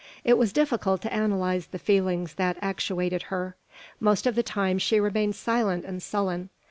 It was difficult to analyse the feelings that actuated her. Most of the time she remained silent and sullen.